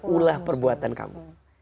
ulah perbuatan kamu